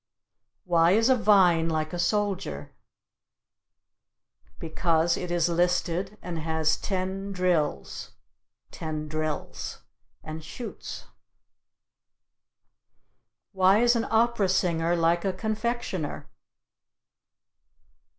Why is a vine like a soldier? Because it is listed and has ten drills (ten drils) and shoots. Why is an opera singer like a confectioner?